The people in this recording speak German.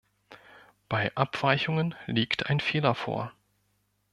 Bei Abweichungen liegt ein Fehler vor.